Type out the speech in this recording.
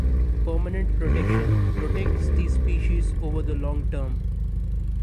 Permanent protection protects these species over the long-term.